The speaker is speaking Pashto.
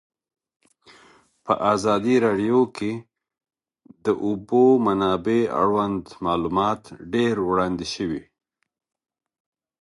په ازادي راډیو کې د د اوبو منابع اړوند معلومات ډېر وړاندې شوي.